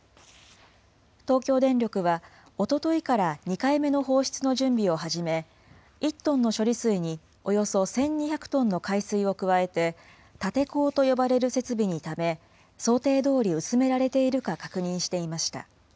東京電力は、おとといから２回目の放出の準備を始め、１トンの処理水におよそ１２００トンの海水を加えて、立て坑と呼ばれる設備にため、想定どおり薄められているか確認していました。